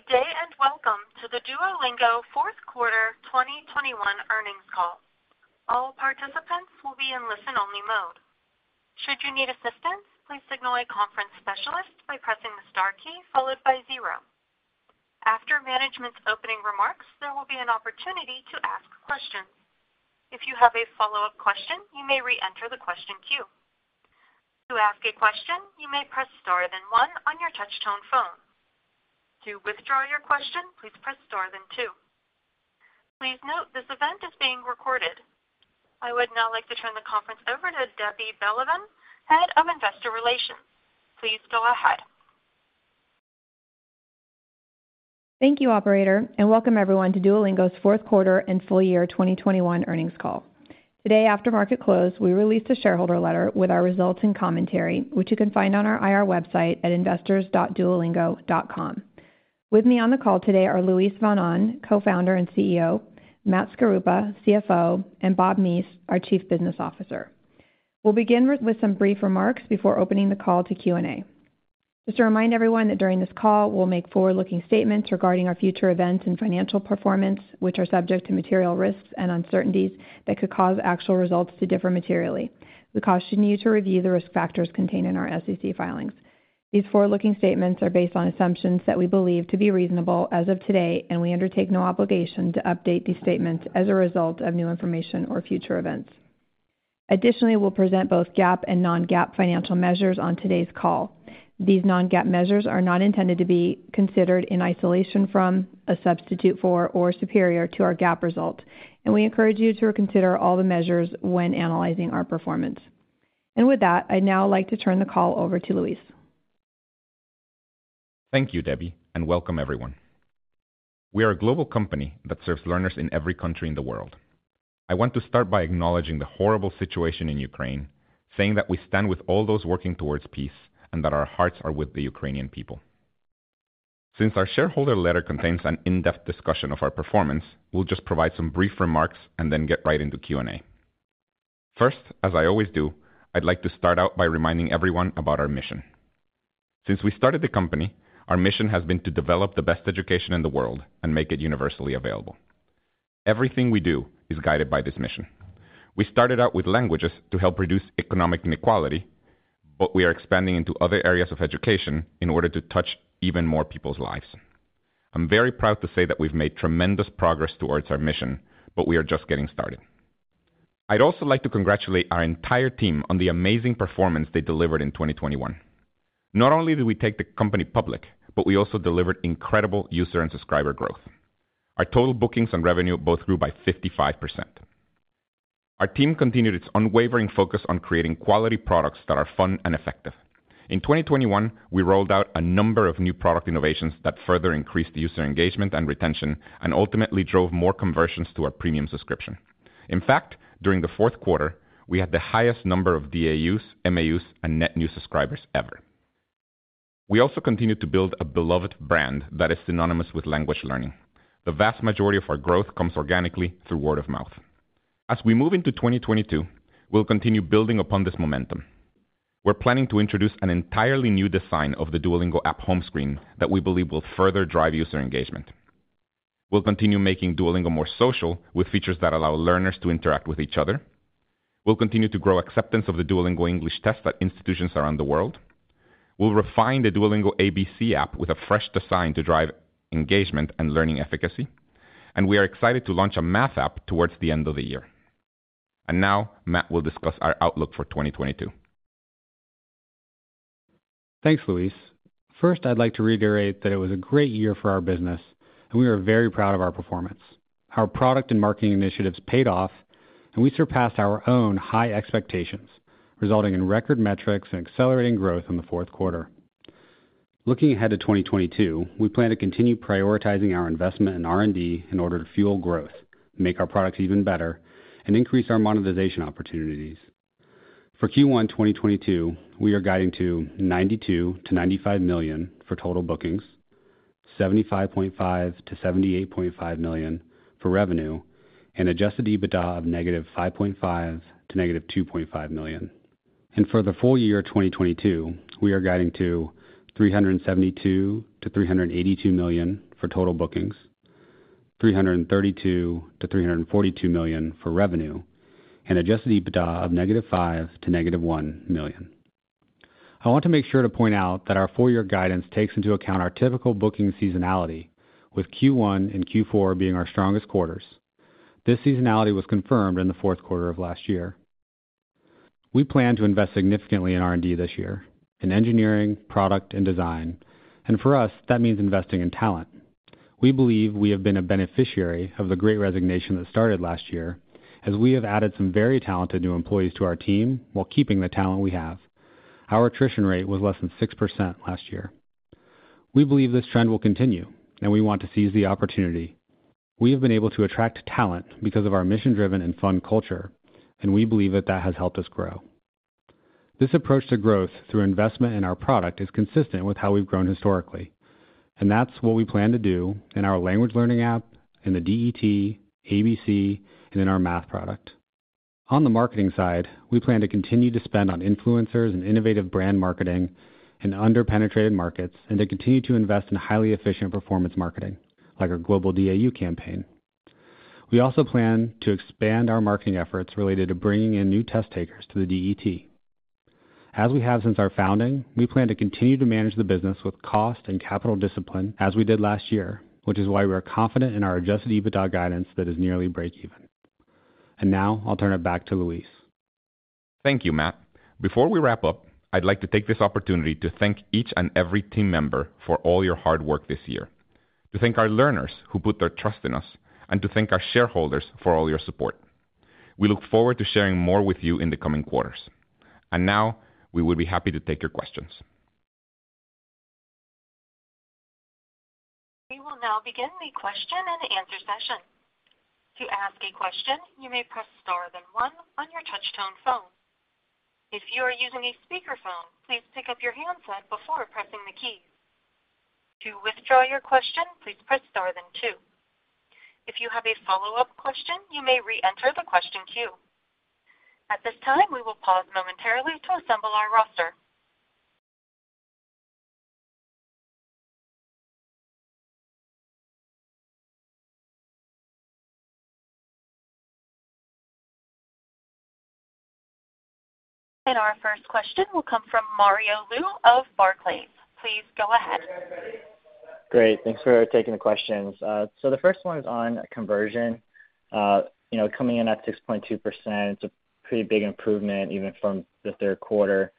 Good day, and welcome to the Duolingo fourth quarter 2021 earnings call. All participants will be in listen-only mode. Should you need assistance, please signal a conference specialist by pressing the star key followed by zero. After management's opening remarks, there will be an opportunity to ask questions. If you have a follow-up question, you may re-enter the question queue. To ask a question, you may press star then one on your touch tone phone. To withdraw your question, please press star then two. Please note, this event is being recorded. I would now like to turn the conference over to Deborah Belevan, Head of Investor Relations. Please go ahead. Thank you, operator, and welcome everyone to Duolingo's fourth quarter and full year 2021 earnings call. Today, after market close, we released a shareholder letter with our results and commentary, which you can find on our IR website at investors.duolingo.com. With me on the call today are Luis von Ahn, Co-founder and CEO, Matt Skaruppa, CFO, and Bob Meese, our Chief Business Officer. We'll begin with some brief remarks before opening the call to Q&A. Just to remind everyone that during this call, we'll make forward-looking statements regarding our future events and financial performance, which are subject to material risks and uncertainties that could cause actual results to differ materially. We caution you to review the risk factors contained in our SEC filings. These forward-looking statements are based on assumptions that we believe to be reasonable as of today, and we undertake no obligation to update these statements as a result of new information or future events. Additionally, we'll present both GAAP and non-GAAP financial measures on today's call. These non-GAAP measures are not intended to be considered in isolation or as a substitute for, or superior to our GAAP result, and we encourage you to consider all the measures when analyzing our performance. With that, I'd now like to turn the call over to Luis. Thank you, Debbie, and welcome everyone. We are a global company that serves learners in every country in the world. I want to start by acknowledging the horrible situation in Ukraine, saying that we stand with all those working towards peace and that our hearts are with the Ukrainian people. Since our shareholder letter contains an in-depth discussion of our performance, we'll just provide some brief remarks and then get right into Q&A. First, as I always do, I'd like to start out by reminding everyone about our mission. Since we started the company, our mission has been to develop the best education in the world and make it universally available. Everything we do is guided by this mission. We started out with languages to help reduce economic inequality, but we are expanding into other areas of education in order to touch even more people's lives. I'm very proud to say that we've made tremendous progress towards our mission, but we are just getting started. I'd also like to congratulate our entire team on the amazing performance they delivered in 2021. Not only did we take the company public, but we also delivered incredible user and subscriber growth. Our total bookings and revenue both grew by 55%. Our team continued its unwavering focus on creating quality products that are fun and effective. In 2021, we rolled out a number of new product innovations that further increased user engagement and retention and ultimately drove more conversions to our premium subscription. In fact, during the fourth quarter, we had the highest number of DAUs, MAUs, and net new subscribers ever. We also continued to build a beloved brand that is synonymous with language learning. The vast majority of our growth comes organically through word of mouth. As we move into 2022, we'll continue building upon this momentum. We're planning to introduce an entirely new design of the Duolingo app home screen that we believe will further drive user engagement. We'll continue making Duolingo more social with features that allow learners to interact with each other. We'll continue to grow acceptance of the Duolingo English Test at institutions around the world. We'll refine the Duolingo ABC app with a fresh design to drive engagement and learning efficacy, and we are excited to launch a math app towards the end of the year. Now Matt will discuss our outlook for 2022. Thanks, Luis. First, I'd like to reiterate that it was a great year for our business, and we are very proud of our performance. Our product and marketing initiatives paid off, and we surpassed our own high expectations, resulting in record metrics and accelerating growth in the fourth quarter. Looking ahead to 2022, we plan to continue prioritizing our investment in R&D in order to fuel growth, make our products even better, and increase our monetization opportunities. For Q1 2022, we are guiding to $92 million-$95 million for total bookings, $75.5 million-$78.5 million for revenue, and Adjusted EBITDA of -$5.5 million to -$2.5 million. For the full year 2022, we are guiding to $372 million-$382 million for total bookings, $332 million-$342 million for revenue, and Adjusted EBITDA of -$5 million-$1 million. I want to make sure to point out that our full year guidance takes into account our typical booking seasonality, with Q1 and Q4 being our strongest quarters. This seasonality was confirmed in the fourth quarter of last year. We plan to invest significantly in R&D this year, in engineering, product, and design. For us, that means investing in talent. We believe we have been a beneficiary of the great resignation that started last year, as we have added some very talented new employees to our team while keeping the talent we have. Our attrition rate was less than 6% last year. We believe this trend will continue, and we want to seize the opportunity. We have been able to attract talent because of our mission-driven and fun culture, and we believe that that has helped us grow. This approach to growth through investment in our product is consistent with how we've grown historically, and that's what we plan to do in our language learning app, in the DET, ABC, and in our math product. On the marketing side, we plan to continue to spend on influencers and innovative brand marketing in under-penetrated markets and to continue to invest in highly efficient performance marketing, like our global DAU campaign. We also plan to expand our marketing efforts related to bringing in new test takers to the DET. As we have since our founding, we plan to continue to manage the business with cost and capital discipline as we did last year, which is why we are confident in our Adjusted EBITDA guidance that is nearly breakeven. Now I'll turn it back to Luis. Thank you, Matt. Before we wrap up, I'd like to take this opportunity to thank each and every team member for all your hard work this year, to thank our learners who put their trust in us, and to thank our shareholders for all your support. We look forward to sharing more with you in the coming quarters. Now, we will be happy to take your questions. We will now begin the question and answer session. To ask a question, you may press star then one on your touchtone phone. If you are using a speakerphone, please pick up your handset before pressing the key. To withdraw your question, please press star then two. If you have a follow-up question, you may reenter the question queue. At this time, we will pause momentarily to assemble our roster. Our first question will come from Mario Lu of Barclays. Please go ahead. Great. Thanks for taking the questions. So the first one is on conversion. You know, coming in at 6.2%, it's a pretty big improvement even from the third quarter.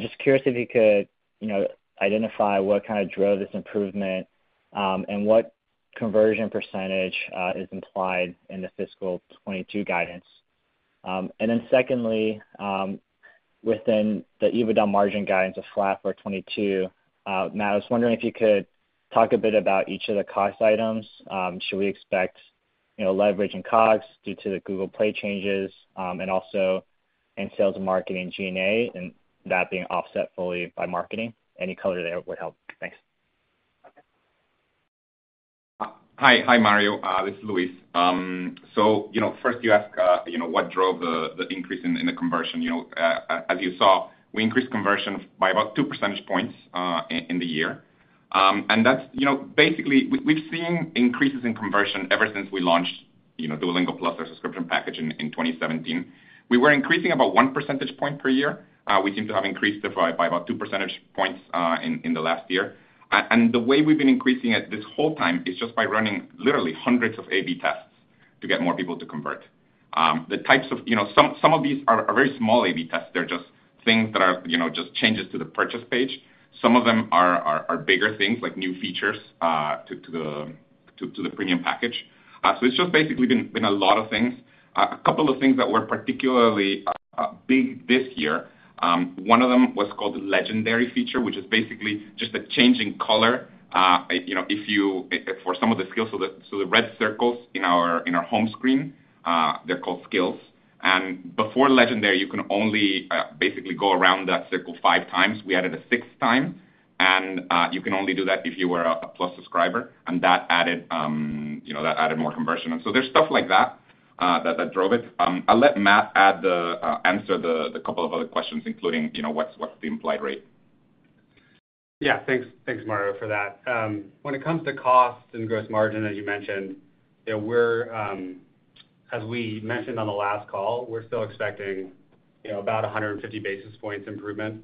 Just curious if you could, you know, identify what kind of drove this improvement, and what conversion percentage is implied in the fiscal 2022 guidance. Secondly, within the EBITDA margin guidance of flat for 2022, Matt, I was wondering if you could talk a bit about each of the cost items. Should we expect, you know, leverage in COGS due to the Google Play changes, and also in sales and marketing G&A and that being offset fully by marketing? Any color there would help. Thanks. Hi, Mario. This is Luis. So, you know, first you ask, you know, what drove the increase in the conversion, you know. As you saw, we increased conversion by about two percentage points, in the year. That's, you know, basically, we've seen increases in conversion ever since we launched, you know, Duolingo Plus, our subscription package in 2017. We were increasing about one percentage point per year. We seem to have increased it by about two percentage points, in the last year. The way we've been increasing it this whole time is just by running literally hundreds of A/B tests to get more people to convert. The types of, you know, some of these are very small A/B tests. They're just things that are, you know, just changes to the purchase page. Some of them are bigger things like new features to the premium package. It's just basically been a lot of things. A couple of things that were particularly big this year, one of them was called the Legendary feature, which is basically just a change in color. You know, for some of the skills. The red circles in our home screen, they're called skills. Before Legendary, you can only basically go around that circle 5x. We added a sixth time. You can only do that if you were a Plus subscriber, and that added more conversion. There's stuff like that that drove it. I'll let Matt add the answer the couple of other questions, including, you know, what's the implied rate. Yeah. Thanks, Mario, for that. When it comes to cost and gross margin, as you mentioned, you know, we're, as we mentioned on the last call, we're still expecting, you know, about 150 basis points improvement,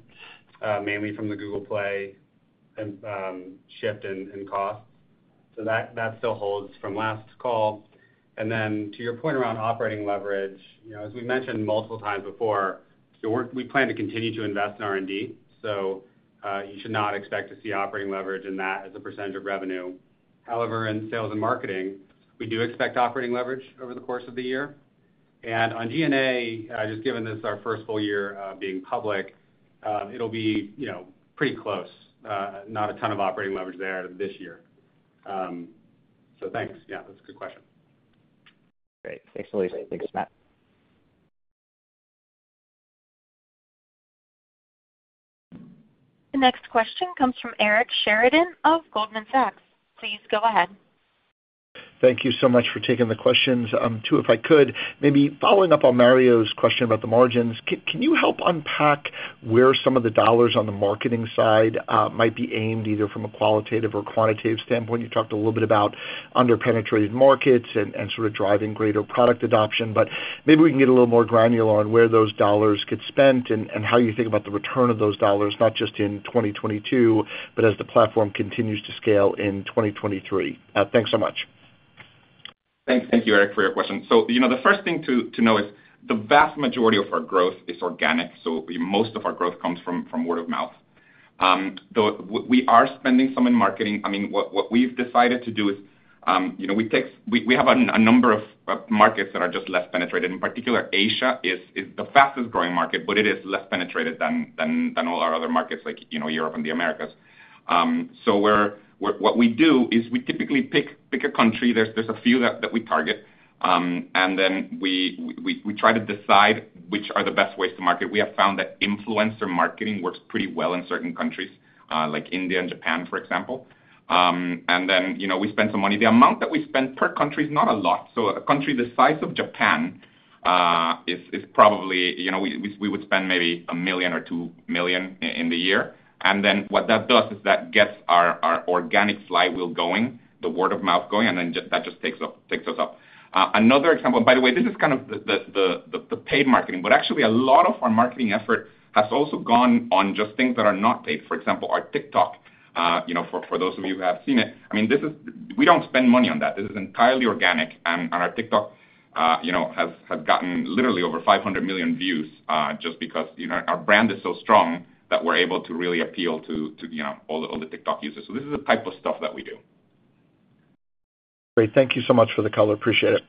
mainly from the Google Play and shift in cost. That still holds from last call. Then to your point around operating leverage, you know, as we mentioned multiple times before, we plan to continue to invest in R&D. You should not expect to see operating leverage in that as a percentage of revenue. However, in sales and marketing, we do expect operating leverage over the course of the year. On G&A, just given this our first full year being public, it'll be, you know, pretty close. Not a ton of operating leverage there this year. Thanks. Yeah, that's a good question. Great. Thanks, Luis. Thanks, Matt. The next question comes from Eric Sheridan of Goldman Sachs. Please go ahead. Thank you so much for taking the questions. Too, if I could. Maybe following up on Mario's question about the margins. Can you help unpack where some of the dollars on the marketing side might be aimed, either from a qualitative or quantitative standpoint? You talked a little bit about under-penetrated markets and sort of driving greater product adoption. Maybe we can get a little more granular on where those dollars get spent and how you think about the return of those dollars, not just in 2022, but as the platform continues to scale in 2023. Thanks so much. Thanks. Thank you, Eric, for your question. You know, the first thing to know is the vast majority of our growth is organic, so most of our growth comes from word of mouth. We are spending some in marketing. I mean, what we've decided to do is, you know, we have a number of markets that are just less penetrated. In particular, Asia is the fastest-growing market, but it is less penetrated than all our other markets like, you know, Europe and the Americas. What we do is we typically pick a country. There's a few that we target. Then we try to decide which are the best ways to market. We have found that influencer marketing works pretty well in certain countries, like India and Japan, for example. You know, we spend some money. The amount that we spend per country is not a lot. A country the size of Japan is probably, you know, we would spend maybe $1 million or $2 million in the year, and then what that does is that gets our organic flywheel going, the word of mouth going, and then that just takes us up. Another example. By the way, this is kind of the paid marketing, but actually a lot of our marketing effort has also gone on just things that are not paid. For example, our TikTok, you know, for those of you who have seen it, I mean, this is. We don't spend money on that. This is entirely organic, and our TikTok, you know, has gotten literally over 500 million views, just because, you know, our brand is so strong that we're able to really appeal to, you know, all the TikTok users. This is the type of stuff that we do. Great. Thank you so much for the color. Appreciate it.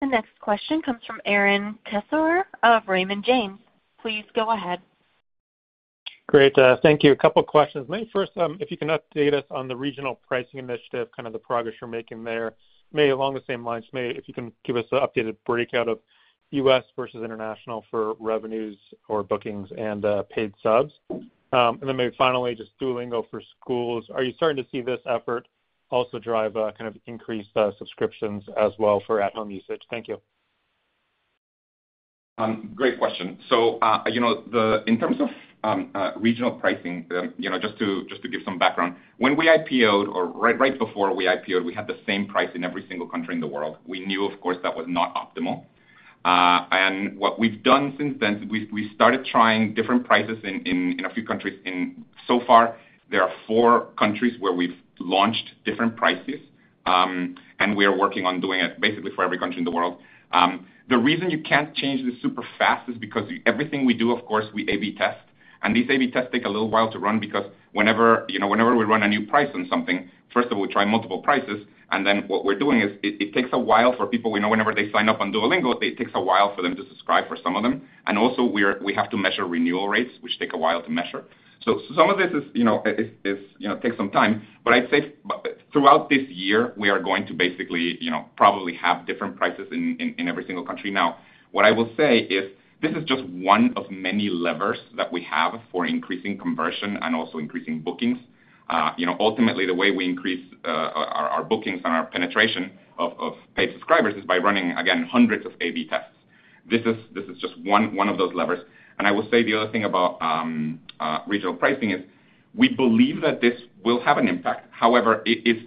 The next question comes from Aaron Kessler of Raymond James. Please go ahead. Great. Thank you. A couple questions. Maybe first, if you can update us on the regional pricing initiative, kind of the progress you're making there. Maybe along the same lines, maybe if you can give us an updated breakout of U.S. versus international for revenues or bookings and, paid subs. Then maybe finally, just Duolingo for Schools. Are you starting to see this effort also drive, kind of increased, subscriptions as well for at-home usage? Thank you. Great question. In terms of regional pricing, you know, just to give some background, when we IPO'd or right before we IPO'd, we had the same price in every single country in the world. We knew, of course, that was not optimal. What we've done since then, we started trying different prices in a few countries. So far there are four countries where we've launched different prices, and we are working on doing it basically for every country in the world. The reason you can't change this super fast is because everything we do, of course, we A/B test, and these A/B tests take a little while to run because whenever, you know, we run a new price on something, first of all, we try multiple prices, and then it takes a while for people, we know whenever they sign up on Duolingo, it takes a while for them to subscribe for some of them. We also have to measure renewal rates, which take a while to measure. Some of this is, you know, takes some time, but I'd say throughout this year, we are going to basically, you know, probably have different prices in every single country. Now, what I will say is this is just one of many levers that we have for increasing conversion and also increasing bookings. You know, ultimately, the way we increase our bookings and our penetration of paid subscribers is by running, again, hundreds of A/B tests. This is just one of those levers. I will say the other thing about regional pricing is we believe that this will have an impact. However, it is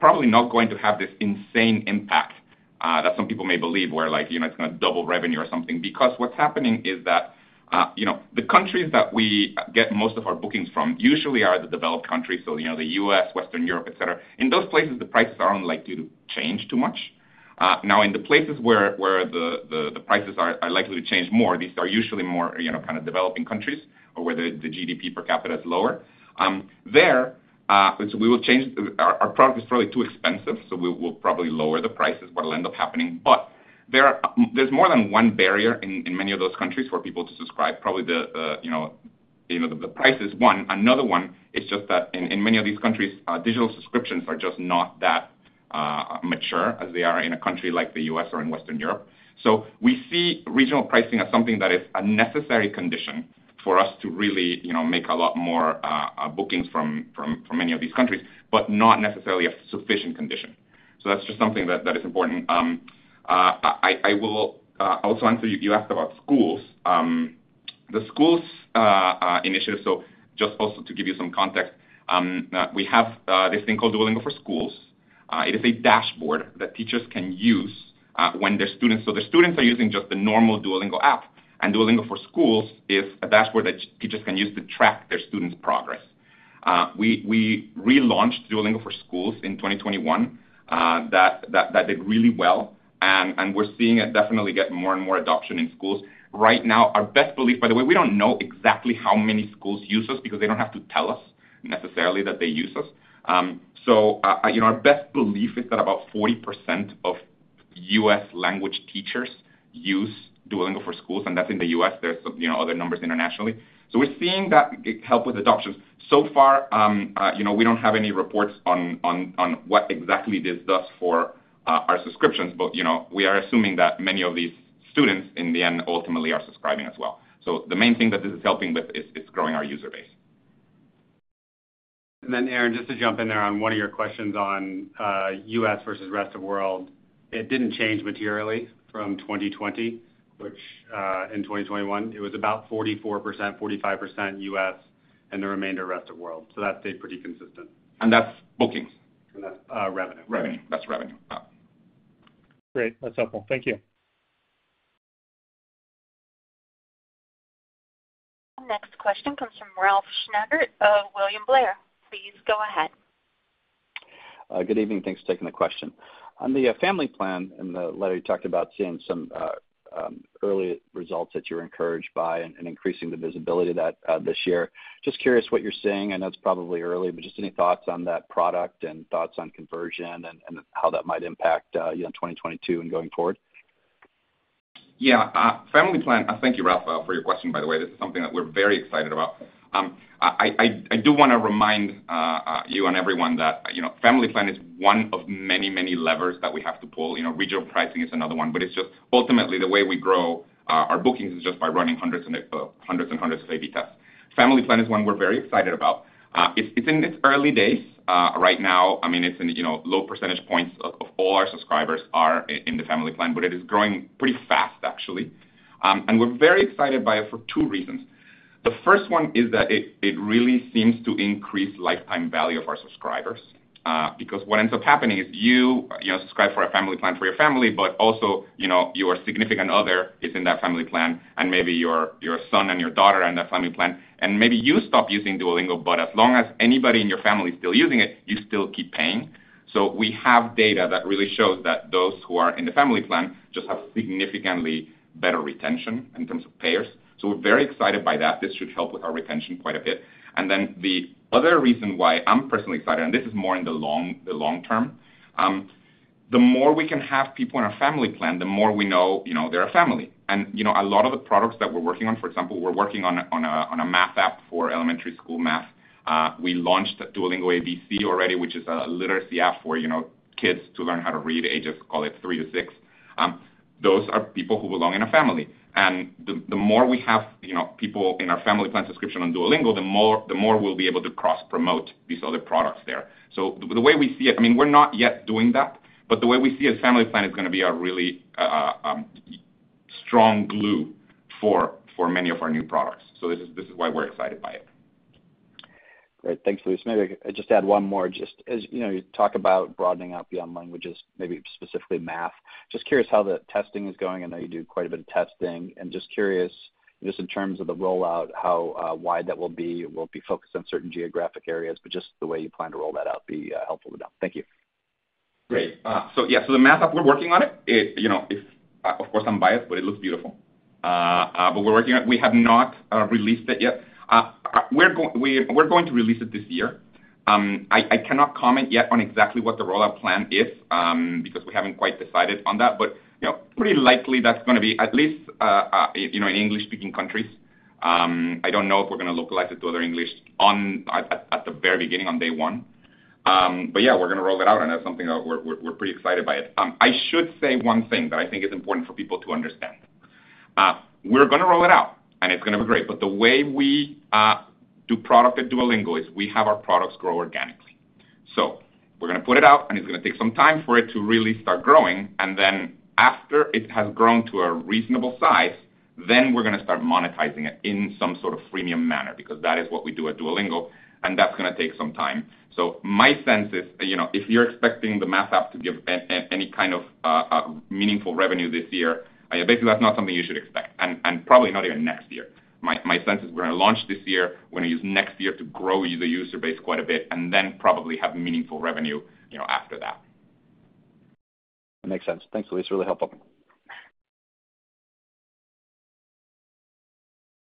probably not going to have this insane impact that some people may believe, where like, you know, it's gonna double revenue or something. Because what's happening is that you know, the countries that we get most of our bookings from usually are the developed countries, so you know, the U.S., Western Europe, etc. In those places, the prices are unlikely to change too much. Now in the places where the prices are likely to change more, these are usually more, you know, kind of developing countries or where the GDP per capita is lower. Our product is probably too expensive, so we'll probably lower the prices, what'll end up happening. There's more than one barrier in many of those countries for people to subscribe, probably the, you know, the price is one. Another one is just that in many of these countries, digital subscriptions are just not that mature as they are in a country like the U.S. or in Western Europe. We see regional pricing as something that is a necessary condition for us to really, you know, make a lot more bookings from many of these countries, but not necessarily a sufficient condition. That's just something that is important. I will also answer. You asked about schools. The schools initiative. Just also to give you some context, we have this thing called Duolingo for Schools. It is a dashboard that teachers can use when their students are using just the normal Duolingo app, and Duolingo for Schools is a dashboard that teachers can use to track their students' progress. We relaunched Duolingo for Schools in 2021, that did really well, and we're seeing it definitely get more and more adoption in schools. Right now, our best belief. By the way, we don't know exactly how many schools use us because they don't have to tell us necessarily that they use us. You know, our best belief is that about 40% of U.S. language teachers use Duolingo for Schools, and that's in the U.S. There's you know, other numbers internationally. We're seeing that help with adoption. So far, you know, we don't have any reports on what exactly this does for our subscriptions, but you know, we are assuming that many of these students in the end ultimately are subscribing as well. The main thing that this is helping with is growing our user base. Then Aaron, just to jump in there on one of your questions on U.S. versus rest of world, it didn't change materially from 2020, which in 2021 it was about 44%-45% U.S. and the remainder rest of world. That stayed pretty consistent. That's bookings? That's revenue. Revenue. That's revenue. Yeah. Great. That's helpful. Thank you. Next question comes from Ralph Schackart of William Blair. Please go ahead. Good evening. Thanks for taking the question. On the Family Plan, in the letter you talked about seeing some early results that you're encouraged by and increasing the visibility that this year. Just curious what you're seeing. I know it's probably early, but just any thoughts on that product and thoughts on conversion and how that might impact 2022 and going forward? Yeah. Family Plan. Thank you, Ralph, for your question, by the way. This is something that we're very excited about. I do wanna remind you and everyone that, you know, Family Plan is one of many, many levers that we have to pull. You know, regional pricing is another one, but it's just ultimately the way we grow our bookings is just by running hundreds and hundreds and hundreds of A/B tests. Family Plan is one we're very excited about. It's in its early days. Right now, I mean, it's in low percentage points of all our subscribers are in the Family Plan, but it is growing pretty fast actually. We're very excited by it for two reasons. The first one is that it really seems to increase lifetime value of our subscribers. Because what ends up happening is you know, subscribe for a Family Plan for your family, but also, you know, your significant other is in that Family Plan, and maybe your son and your daughter in that Family Plan, and maybe you stop using Duolingo, but as long as anybody in your family is still using it, you still keep paying. We have data that really shows that those who are in the Family Plan just have significantly better retention in terms of payers. We're very excited by that. This should help with our retention quite a bit. The other reason why I'm personally excited, and this is more in the long term, the more we can have people in our Family Plan, the more we know, you know, they're a family. You know, a lot of the products that we're working on, for example, we're working on a math app for elementary school math. We launched Duolingo ABC already, which is a literacy app for, you know, kids to learn how to read, ages, call it 3-6. Those are people who belong in a family. The more we have, you know, people in our Family Plan subscription on Duolingo, the more we'll be able to cross-promote these other products there. The way we see it, I mean, we're not yet doing that, but the way we see a Family Plan is gonna be a really strong glue for many of our new products. This is why we're excited by it. Great. Thanks, Luis. Maybe I'll just add one more just as, you know, you talk about broadening out beyond languages, maybe specifically math. Just curious how the testing is going. I know you do quite a bit of testing. Just curious, just in terms of the rollout, how wide that will be. Will it be focused on certain geographic areas? Just the way you plan to roll that out, it would be helpful to know. Thank you. Great. Yeah. The math app, we're working on it. It, you know, of course I'm biased, but it looks beautiful. We're working on it. We have not released it yet. We're going to release it this year. I cannot comment yet on exactly what the rollout plan is, because we haven't quite decided on that. You know, pretty likely that's gonna be at least, you know, in English-speaking countries. I don't know if we're gonna localize it to other languages at the very beginning on day one. Yeah, we're gonna roll it out, and that's something that we're pretty excited by it. I should say one thing that I think is important for people to understand. We're gonna roll it out, and it's gonna be great, but the way we do product at Duolingo is we have our products grow organically. We're gonna put it out, and it's gonna take some time for it to really start growing, and then after it has grown to a reasonable size, then we're gonna start monetizing it in some sort of freemium manner, because that is what we do at Duolingo, and that's gonna take some time. My sense is, you know, if you're expecting the math app to give any kind of meaningful revenue this year, basically that's not something you should expect, and probably not even next year. My sense is we're gonna launch this year, we're gonna use next year to grow the user base quite a bit, and then probably have meaningful revenue, you know, after that. That makes sense. Thanks, Luis. Really helpful.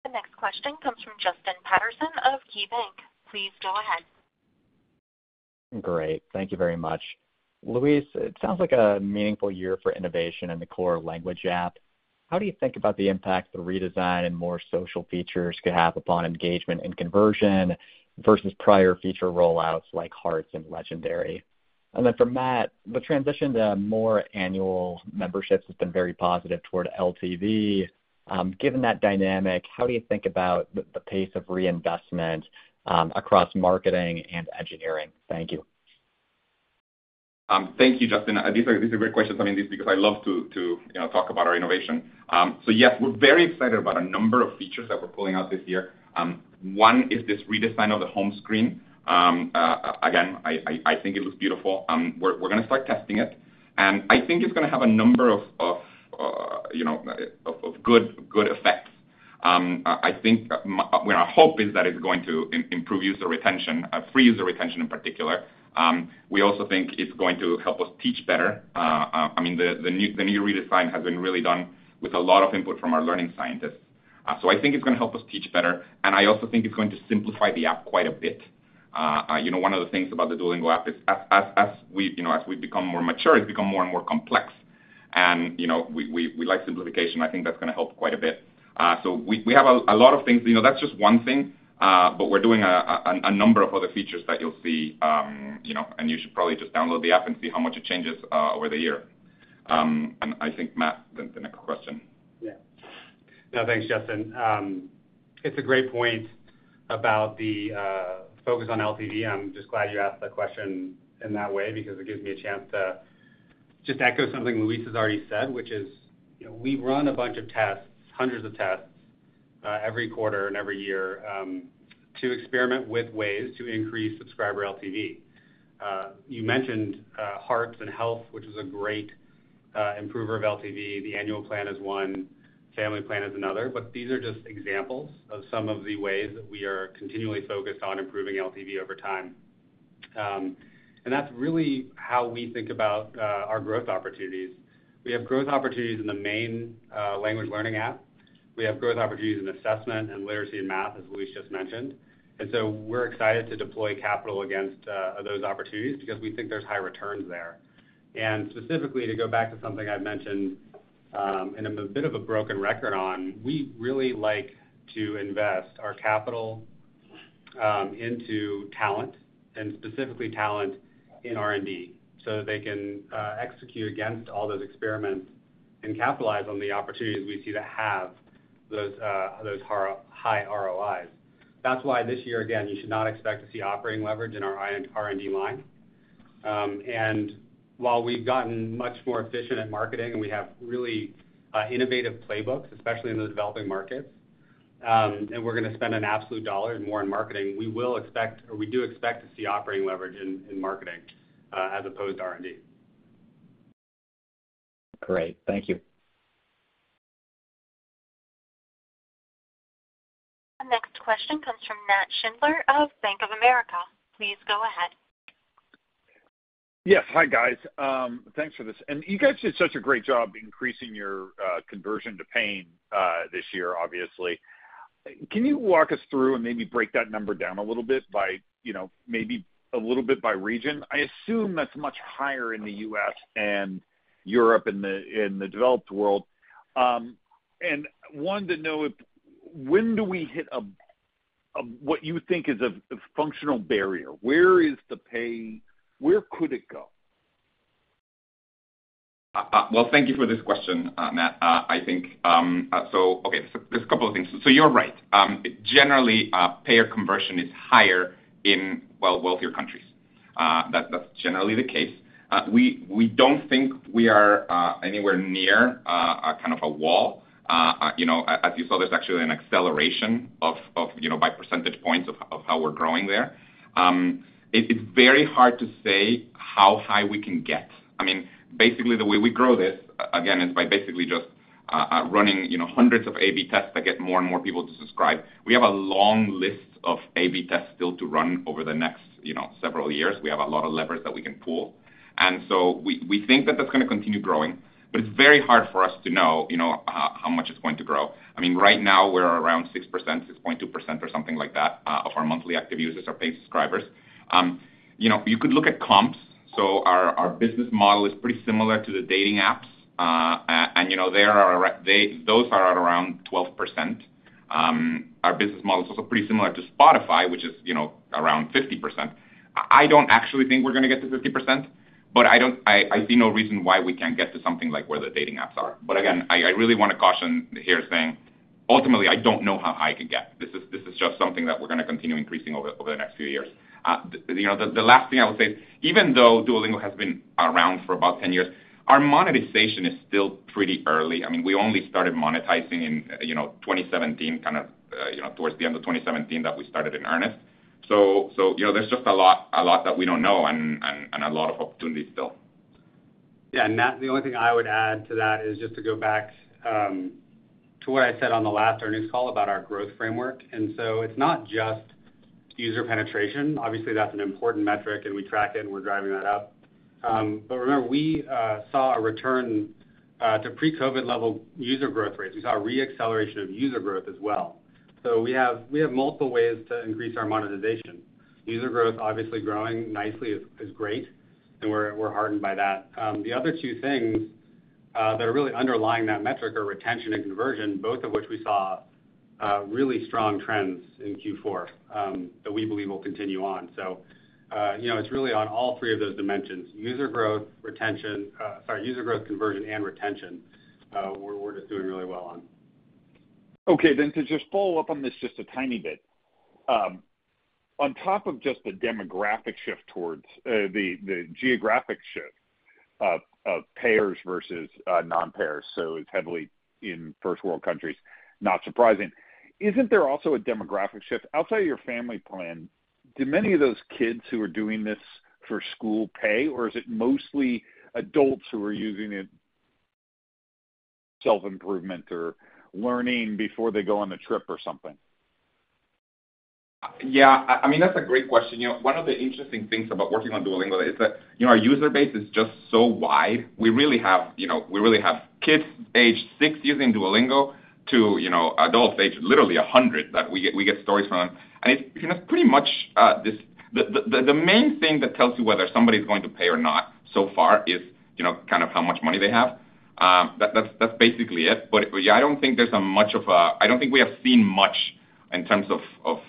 The next question comes from Justin Patterson of KeyBanc. Please go ahead. Great. Thank you very much. Luis, it sounds like a meaningful year for innovation in the core language app. How do you think about the impact the redesign and more social features could have upon engagement and conversion versus prior feature rollouts like Hearts and Legendary? For Matt, the transition to more annual memberships has been very positive toward LTV. Given that dynamic, how do you think about the pace of reinvestment across marketing and engineering? Thank you. Thank you, Justin. These are great questions. I mean this because I love to, you know, talk about our innovation. Yes, we're very excited about a number of features that we're pulling out this year. One is this redesign of the home screen. Again, I think it looks beautiful. We're gonna start testing it. I think it's gonna have a number of, you know, of good effects. I think well our hope is that it's going to improve user retention, free user retention in particular. We also think it's going to help us teach better. I mean, the new redesign has been really done with a lot of input from our learning scientists. I think it's gonna help us teach better, and I also think it's going to simplify the app quite a bit. You know, one of the things about the Duolingo app is as we become more mature, it's become more and more complex. You know, we like simplification. I think that's gonna help quite a bit. We have a lot of things. You know, that's just one thing, but we're doing a number of other features that you'll see, you know. You should probably just download the app and see how much it changes over the year. I think Matt, the next question. Yeah. No, thanks, Justin. It's a great point about the focus on LTV. I'm just glad you asked that question in that way because it gives me a chance to just echo something Luis has already said, which is, you know, we run a bunch of tests, hundreds of tests, every quarter and every year, to experiment with ways to increase subscriber LTV. You mentioned Hearts and Health, which is a great improver of LTV. The annual plan is one, Family Plan is another. But these are just examples of some of the ways that we are continually focused on improving LTV over time. And that's really how we think about our growth opportunities. We have growth opportunities in the main language learning app. We have growth opportunities in assessment and literacy and math, as Luis just mentioned. We're excited to deploy capital against those opportunities because we think there's high returns there. Specifically, to go back to something I've mentioned, and I'm a bit of a broken record on, we really like to invest our capital into talent, and specifically talent in R&D, so that they can execute against all those experiments and capitalize on the opportunities we see to have those high ROIs. That's why this year, again, you should not expect to see operating leverage in our R&D line. While we've gotten much more efficient at marketing, and we have really innovative playbooks, especially in the developing markets, and we're gonna spend an absolute dollar more in marketing, we will expect or we do expect to see operating leverage in marketing as opposed to R&D. Great. Thank you. The next question comes from Nat Schindler of Bank of America. Please go ahead. Yes. Hi, guys. Thanks for this. You guys did such a great job increasing your conversion to paying this year, obviously. Can you walk us through and maybe break that number down a little bit by, you know, maybe a little bit by region? I assume that's much higher in the U.S. and Europe in the developed world. Wanted to know when do we hit what you think is a functional barrier? Where is the paywall? Where could it go? Well, thank you for this question, Matt. I think so, okay. There's a couple of things. You're right. Generally, payer conversion is higher in well, wealthier countries. That's generally the case. We don't think we are anywhere near a kind of a wall. You know, as you saw, there's actually an acceleration you know, by percentage points of how we're growing there. It's very hard to say how high we can get. I mean, basically, the way we grow this is by basically just running you know, hundreds of A/B tests that get more and more people to subscribe. We have a long list of A/B tests still to run over the next you know, several years. We have a lot of levers that we can pull. We think that that's gonna continue growing, but it's very hard for us to know, you know, how much it's going to grow. I mean, right now we're around 6%, 6.2% or something like that, of our monthly active users are paid subscribers. You know, you could look at comps. Our business model is pretty similar to the dating apps. You know, those are at around 12%. Our business model is also pretty similar to Spotify, which is, you know, around 50%. I don't actually think we're gonna get to 50%, but I see no reason why we can't get to something like where the dating apps are. Again, I really wanna caution here saying, ultimately, I don't know how high it can get. This is just something that we're gonna continue increasing over the next few years. You know, the last thing I would say, even though Duolingo has been around for about 10 years, our monetization is still pretty early. I mean, we only started monetizing in, you know, 2017, kind of, you know, towards the end of 2017 that we started in earnest. You know, there's just a lot that we don't know and a lot of opportunities still. Yeah. Matt, the only thing I would add to that is just to go back to what I said on the last earnings call about our growth framework. It's not just user penetration. Obviously, that's an important metric, and we track it, and we're driving that up. Remember, we saw a return to pre-COVID level user growth rates. We saw a re-acceleration of user growth as well. We have multiple ways to increase our monetization. User growth obviously growing nicely is great, and we're heartened by that. The other two things that are really underlying that metric are retention and conversion, both of which we saw really strong trends in Q4 that we believe will continue on. You know, it's really on all three of those dimensions: user growth, conversion, and retention. We're just doing really well on. Okay. To just follow up on this just a tiny bit, on top of just the demographic shift towards the geographic shift of payers versus non-payers, so it's heavily in first world countries, not surprising. Isn't there also a demographic shift? Outside of your Family Plan, do many of those kids who are doing this for school pay, or is it mostly adults who are using it, self-improvement or learning before they go on a trip or something? Yeah. I mean, that's a great question. You know, one of the interesting things about working on Duolingo is that, you know, our user base is just so wide. We really have, you know, kids aged six using Duolingo to, you know, adults aged literally 100 that we get stories from. It, you know, pretty much, the main thing that tells you whether somebody's going to pay or not so far is, you know, kind of how much money they have. That's basically it. Yeah, I don't think we have seen much in terms of,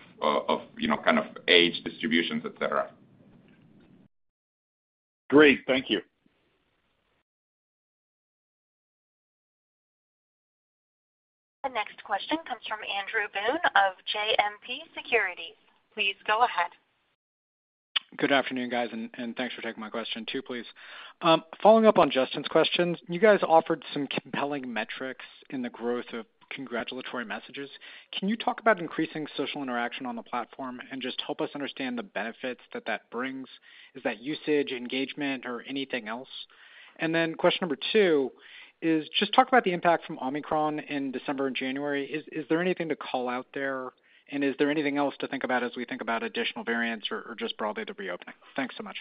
you know, kind of age distributions, etc. Great. Thank you. The next question comes from Andrew Boone of JMP Securities. Please go ahead. Good afternoon, guys, and thanks for taking my question too, please. Following up on Justin's questions, you guys offered some compelling metrics in the growth of congratulatory messages. Can you talk about increasing social interaction on the platform and just help us understand the benefits that that brings? Is that usage, engagement or anything else? Question number two is just talk about the impact from Omicron in December and January. Is there anything to call out there? Is there anything else to think about as we think about additional variants or just broadly the reopening? Thanks so much.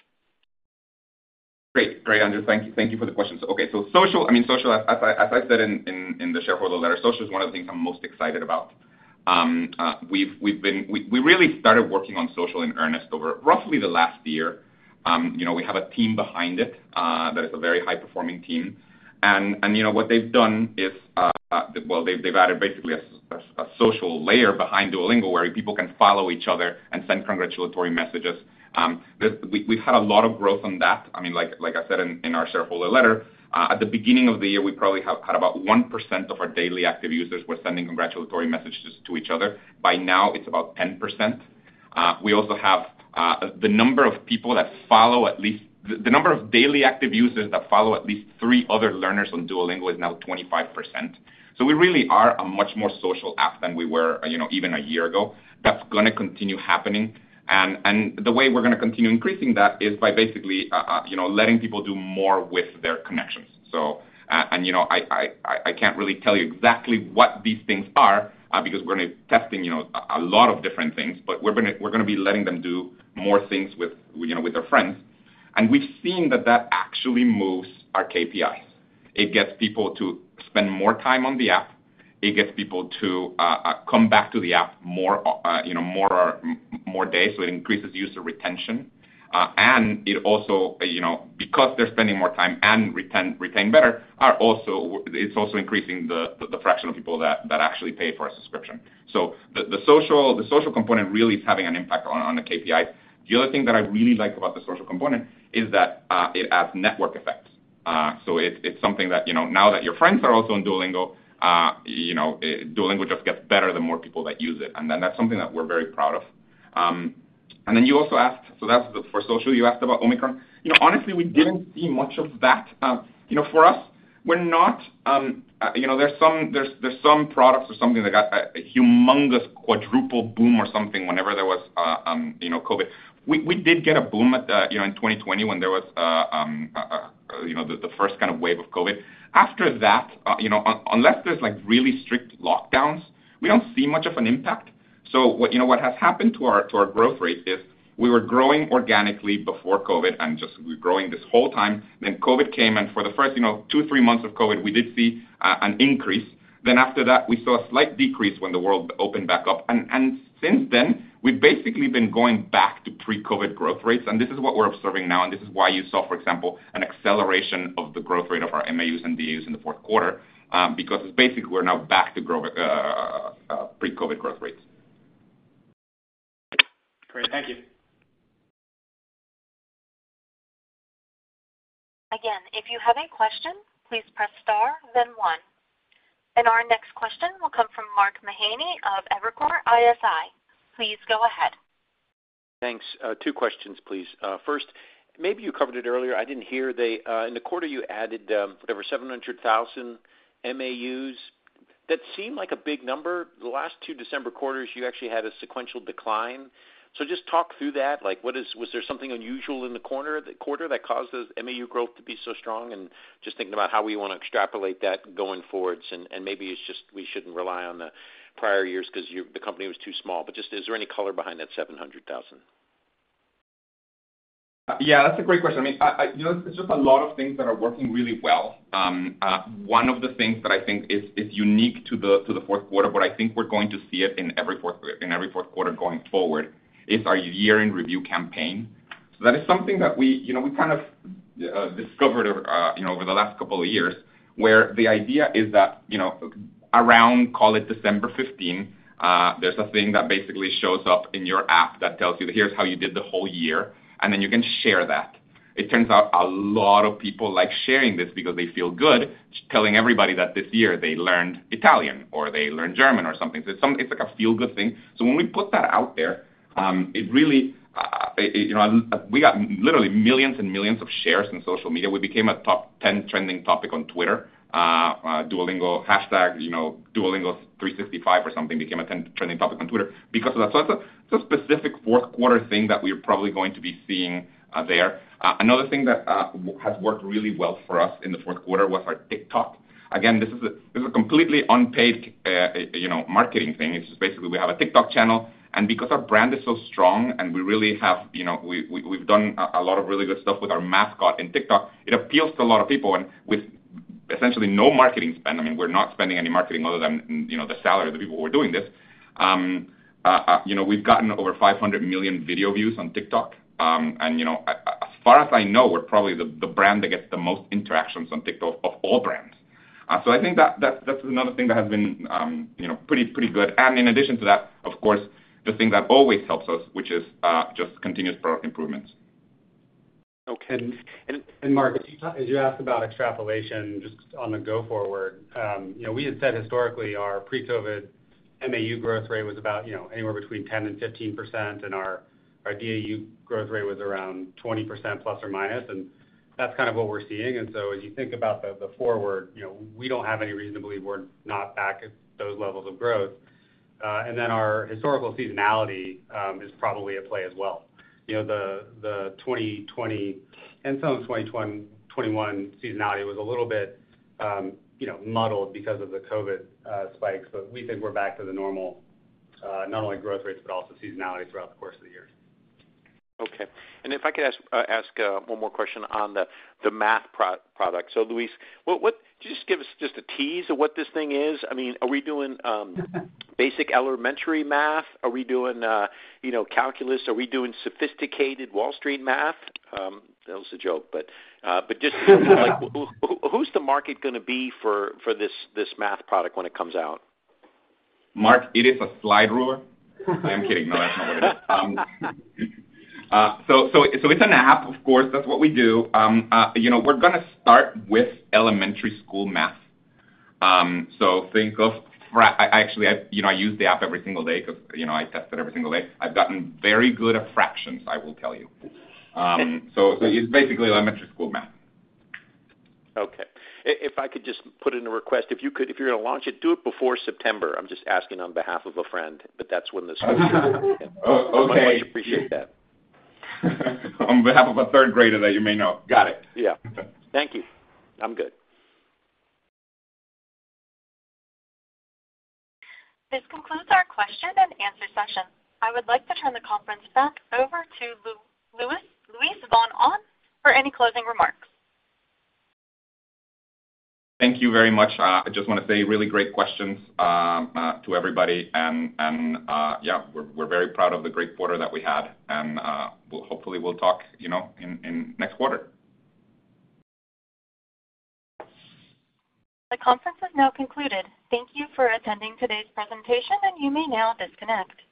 Great, Andrew. Thank you for the questions. Okay. Social, as I said in the shareholder letter, social is one of the things I'm most excited about. We really started working on social in earnest over roughly the last year. You know, we have a team behind it that is a very high-performing team. You know, what they've done is, well, they've added basically a social layer behind Duolingo where people can follow each other and send congratulatory messages. We've had a lot of growth on that. I mean, like I said in our shareholder letter at the beginning of the year, we probably have had about 1% of our daily active users were sending congratulatory messages to each other. By now, it's about 10%. We also have the number of daily active users that follow at least three other learners on Duolingo is now 25%. So we really are a much more social app than we were, you know, even a year ago. That's gonna continue happening. The way we're gonna continue increasing that is by basically, you know, letting people do more with their connections. You know, I can't really tell you exactly what these things are because we're testing you know a lot of different things, but we're gonna be letting them do more things with you know with their friends. We've seen that actually moves our KPIs. It gets people to spend more time on the app. It gets people to come back to the app more you know more days, so it increases user retention. It also you know because they're spending more time and retain better it's also increasing the fraction of people that actually pay for a subscription. The social component really is having an impact on the KPI. The other thing that I really like about the social component is that it adds network effects. It's something that, you know, now that your friends are also on Duolingo, you know, Duolingo just gets better the more people that use it. That's something that we're very proud of. You also asked, so that's for social, you asked about Omicron. You know, honestly, we didn't see much of that. You know, for us, we're not, you know, there's some products or something that got a humongous quadruple boom or something whenever there was COVID. We did get a boom in 2020 when there was a, you know, the first kind of wave of COVID. After that, you know, unless there's, like, really strict lockdowns, we don't see much of an impact. What, you know, what has happened to our growth rate is we were growing organically before COVID, and just we're growing this whole time. COVID came, and for the first, you know, two, three months of COVID, we did see an increase. After that, we saw a slight decrease when the world opened back up. Since then, we've basically been going back to pre-COVID growth rates, and this is what we're observing now, and this is why you saw, for example, an acceleration of the growth rate of our MAUs and DAUs in the fourth quarter, because it's basically we're now back to grow pre-COVID growth rates. Great. Thank you. Our next question will come from Mark Mahaney of Evercore ISI. Please go ahead. Thanks. Two questions, please. First, maybe you covered it earlier. I didn't hear. In the quarter you added over 700,000 MAUs. That seemed like a big number. The last two December quarters, you actually had a sequential decline. So just talk through that. Like, was there something unusual in the quarter that caused the MAU growth to be so strong? And just thinking about how we wanna extrapolate that going forwards, and maybe it's just we shouldn't rely on the prior years 'cause the company was too small. But just is there any color behind that 700,000? Yeah, that's a great question. I mean, you know, there's just a lot of things that are working really well. One of the things that I think is unique to the fourth quarter, but I think we're going to see it in every fourth quarter going forward, is our year-end review campaign. That is something that we kind of discovered over the last couple of years, where the idea is that, you know, around, call it December 15, there's a thing that basically shows up in your app that tells you that here's how you did the whole year, and then you can share that. It turns out a lot of people like sharing this because they feel good telling everybody that this year they learned Italian or they learned German or something. It's like a feel-good thing. When we put that out there, you know, we got literally millions and millions of shares on social media. We became a top 10 trending topic on Twitter. Duolingo hashtag, you know, Duolingo 365 or something became a top 10 trending topic on Twitter because of that. That's a specific fourth quarter thing that we're probably going to be seeing there. Another thing that has worked really well for us in the fourth quarter was our TikTok. Again, this is a completely unpaid, you know, marketing thing. It's just basically we have a TikTok channel, and because our brand is so strong and we really have, you know, we've done a lot of really good stuff with our mascot in TikTok, it appeals to a lot of people with essentially no marketing spend. I mean, we're not spending any marketing other than, you know, the salary of the people who are doing this. You know, we've gotten over 500 million video views on TikTok. You know, as far as I know, we're probably the brand that gets the most interactions on TikTok of all brands. I think that's another thing that has been, you know, pretty good. In addition to that, of course, the thing that always helps us, which is just continuous product improvements. Okay. Mark, as you asked about extrapolation just on the go forward, you know, we had said historically our pre-COVID MAU growth rate was about, you know, anywhere between 10%-15%, and our DAU growth rate was around 20% plus or minus, and that's kind of what we're seeing. As you think about the forward, you know, we don't have any reason to believe we're not back at those levels of growth. Our historical seasonality is probably at play as well. You know, the 2020 and some of 2021 seasonality was a little bit, you know, muddled because of the COVID spikes, but we think we're back to the normal, not only growth rates, but also seasonality throughout the course of the years. Okay. If I could ask one more question on the math product. Luis, what could you just give us a tease of what this thing is? I mean, are we doing basic elementary math? Are we doing you know calculus? Are we doing sophisticated Wall Street math? That was a joke, but like, who's the market gonna be for this math product when it comes out? Mark, it is a slide rule. I'm kidding. No, that's not what it is. It's an app, of course. That's what we do. You know, we're gonna start with elementary school math. Actually, you know, I use the app every single day 'cause, you know, I test it every single day. I've gotten very good at fractions, I will tell you. It's basically elementary school math. Okay. If I could just put in a request. If you're gonna launch it, do it before September. I'm just asking on behalf of a friend, but that's when the school. O-okay. My wife would appreciate that. On behalf of a third grader that you may know. Got it. Yeah. Okay. Thank you. I'm good. This concludes our question and answer session. I would like to turn the conference back over to Luis von Ahn for any closing remarks. Thank you very much. I just wanna say really great questions to everybody. We're very proud of the great quarter that we had. Hopefully we'll talk, you know, in next quarter. The conference has now concluded. Thank you for attending today's presentation, and you may now disconnect.